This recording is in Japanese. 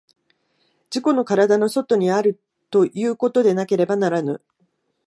自己の身体の外にあるということでなければならぬ。